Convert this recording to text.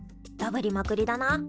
ダブりまくりだな。